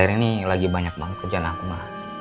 karena ini lagi banyak banget kerjaan aku mak